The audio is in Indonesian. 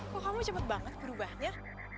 kok kamu cepet banget berubahnya